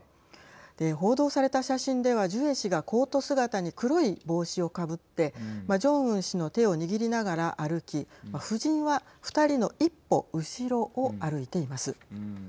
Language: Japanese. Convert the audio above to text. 報道された写真ではジュエ氏がコート姿に黒い帽子をかぶってジョンウン氏の手を握りながら歩き夫人は２人の１歩後ろを歩いています。